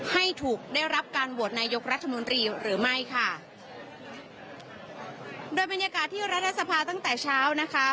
ให้ถูกได้รับการโหวตนายกรัฐมนตรีหรือไม่ค่ะโดยบรรยากาศที่รัฐสภาตั้งแต่เช้านะคะ